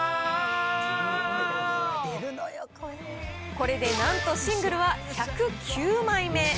これでなんとシングルは１０９枚目。